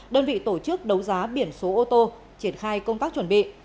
đơn vị tổ chức đấu giá biển số ô tô triển khai công tác chuẩn bị